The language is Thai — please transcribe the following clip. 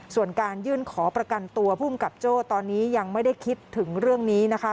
ส่วนการยื่นขอประกันตัวภูมิกับโจ้ตอนนี้ยังไม่ได้คิดถึงเรื่องนี้นะคะ